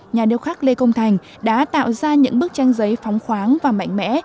nhà điêu khắc lê công thành đã tạo ra những bức tranh giấy phóng khoáng và mạnh mẽ